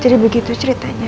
jadi begitu ceritanya